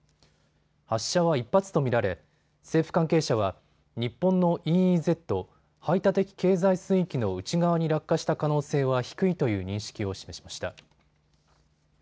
発射は１発と見られ政府関係者は日本のＥＥＺ・排他的経済水域の内側に落下した可能性は低いという認識を示しました。